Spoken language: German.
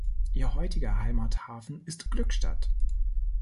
Ihr heutiger Heimathafen ist Glückstadt.